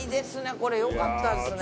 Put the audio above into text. これよかったですね。